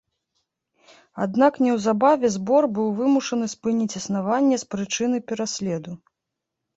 Аднак неўзабаве збор быў вымушаны спыніць існаванне з прычыны пераследу.